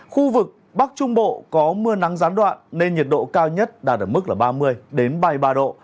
khu vực bắc trung bộ có mưa nắng gián đoạn nên nhiệt độ cao nhất đạt ở mức ba mươi ba mươi ba độ